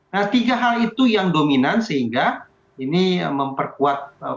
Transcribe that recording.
nah tiga hal itu yang dominan sehingga ini memperkuat